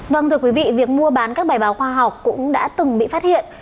vâng thưa quý vị việc mua bán các bài báo khoa học cũng đã từng bị phát hiện